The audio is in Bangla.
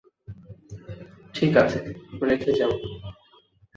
ঠিক আছে, রেখে যাও।